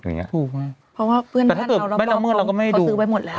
เพราะว่าเพื่อนเราเขาซื้อไว้หมดแล้ว